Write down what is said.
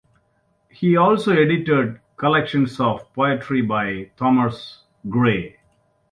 He also edited collections of poetry by Thomas Gray.